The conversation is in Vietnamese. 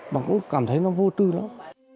mà cũng cảm thấy nó vô trư lắm